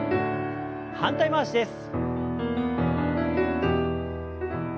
反対回しです。